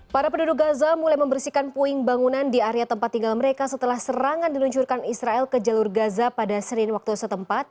para penduduk gaza mulai membersihkan puing bangunan di area tempat tinggal mereka setelah serangan diluncurkan israel ke jalur gaza pada senin waktu setempat